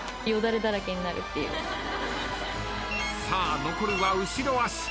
さあ残るは後ろ足。